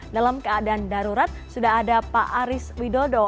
dalam keadaan darurat sudah ada pak aris widodo